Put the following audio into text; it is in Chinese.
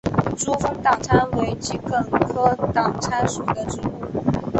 珠峰党参为桔梗科党参属的植物。